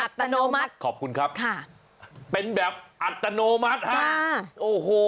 อัตโนมัติขอบคุณครับค่ะเป็นแบบอัตโนมัติฮะอ่าโอ้โห